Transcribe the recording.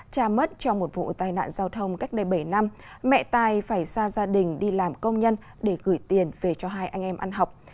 cha mất trong một vụ tai nạn giao thông cách đây bảy năm mẹ tài phải ra gia đình đi làm công nhân để gửi tiền về cho hai anh em ăn học